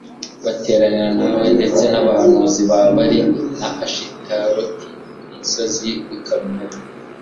bateranira nawe ndetse nabahanuzi ba Bali na Ashitaroti ku musozi wi Karumeli